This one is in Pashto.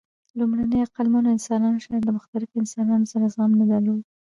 لومړنیو عقلمنو انسانانو شاید له مختلفو انسانانو سره زغم نه درلود.